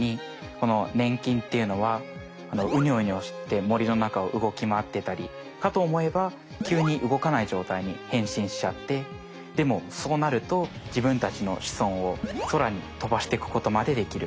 このねん菌っていうのはウニョウニョして森の中を動きまわってたりかとおもえばきゅうに動かないじょうたいに変身しちゃってでもそうなるとじぶんたちの子孫をそらに飛ばしてくことまでできる。